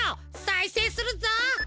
さいせいするぞ！